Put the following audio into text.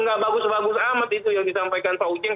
nggak bagus bagus amat itu yang disampaikan pak uceng